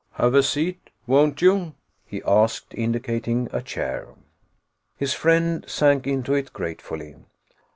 "Have a seat, won't you?" he asked, indicating a chair. His friend sank into it gratefully.